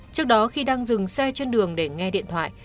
trước đó khi đang dừng xe trên đường để nghe điện thoại